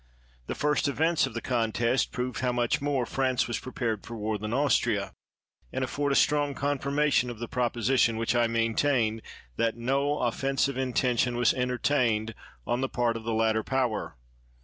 The first events of the contest proved how much more France was prepared for war than Austria, and afford a strong con firmation of the proposition which I maintain, that no offensive intention was entertained on the part of the latter power.